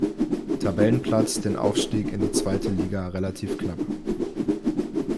Tabellenplatz den Aufstieg in die zweite Liga relativ knapp.